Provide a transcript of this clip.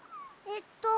えっと